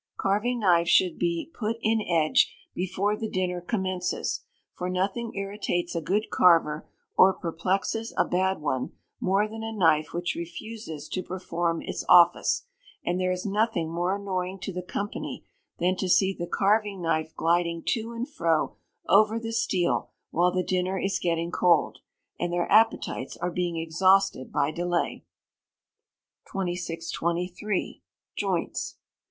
Carving knives should be "put in edge" before the dinner commences, for nothing irritates a good carver, or perplexes a bad one, more than a knife which refuses to perform its office; and there is nothing more annoying to the company than to see the carving knife gliding to and fro over the steel while the dinner is getting cold, and their appetites are being exhausted by delay. 2623. Joints.